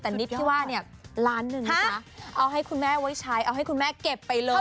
แต่นิดที่ว่าเนี่ยล้านหนึ่งนะจ๊ะเอาให้คุณแม่ไว้ใช้เอาให้คุณแม่เก็บไปเลย